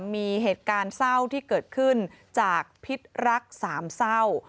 มีเหตุการณ์เศร้าที่เกิดขึ้นจากพิษรักสามเศร้า